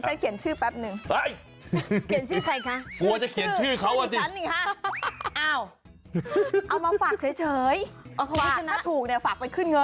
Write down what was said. อะก่อนที่นี่ฉันเขียนชื่อแปปหนึ่ง